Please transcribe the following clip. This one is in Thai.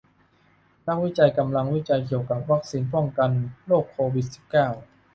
นักวิจัยกำลังวิจัยเกี่ยวกับวัคซีนป้องกันโรคโควิดสิบเก้า